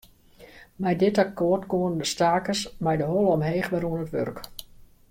Mei dit akkoart koenen de stakers mei de holle omheech wer oan it wurk.